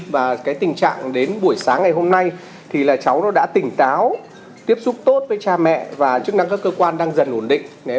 và tình trạng đến buổi sáng ngày hôm nay cháu đã tỉnh táo tiếp xúc tốt với cha mẹ và chức năng các cơ quan đang dần ổn định